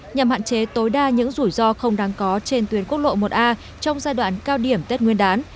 nhằm hạn chế tối đa những rủi ro không đáng có trên tuyến quốc lộ một a trong giai đoạn cao điểm tết nguyên đán